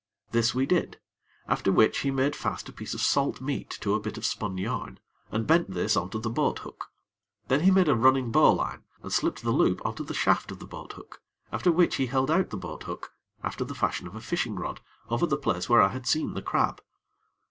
This we did, after which he made fast a piece of salt meat to a bit of spun yarn, and bent this on to the boat hook. Then he made a running bowline, and slipped the loop on to the shaft of the boat hook, after which he held out the boat hook, after the fashion of a fishing rod, over the place where I had seen the crab.